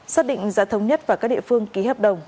xác định giá thống nhất và các địa phương ký hợp đồng